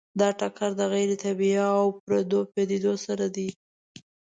دا ټکر د غیر طبیعي او پردو پدیدو سره دی.